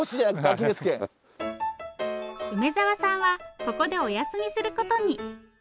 梅沢さんはここでお休みすることに。